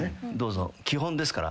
基本ですから。